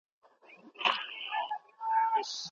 څه وخت ملي سوداګر غنم هیواد ته راوړي؟